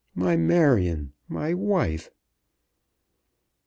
"My Marion; my wife!"